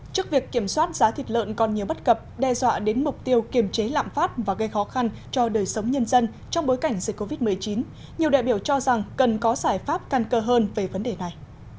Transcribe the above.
trước việc kiểm soát giá thịt lợn còn nhiều bất cập đe dọa đến mục tiêu kiềm chế lạm phát và gây khó khăn cho đời sống nhân dân trong bối cảnh dịch covid một mươi chín nhiều đại biểu cho rằng cần có giải pháp căn cơ hơn về vấn đề này